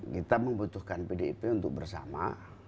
kita membutuhkan pdip untuk bersama